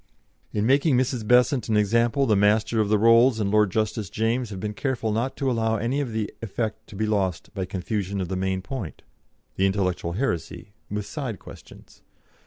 In making Mrs. Besant an example, the Master of the Rolls and Lord Justice James have been careful not to allow any of the effect to be lost by confusion of the main point the intellectual heresy with side questions.